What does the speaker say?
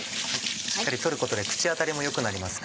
しっかり取ることで口当たりもよくなりますね。